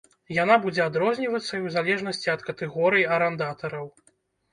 Яна будзе адрознівацца і ў залежнасці ад катэгорый арандатараў.